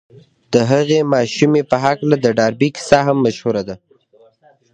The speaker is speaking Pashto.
د هغې ماشومې په هکله د ډاربي کيسه هم مشهوره ده.